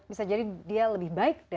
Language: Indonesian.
bisa jadi dia lebih baik